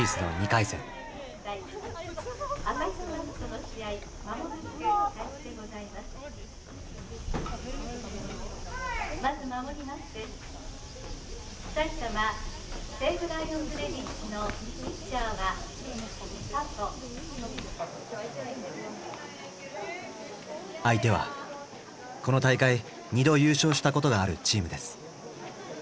相手はこの大会２度優勝したことがあるチームです。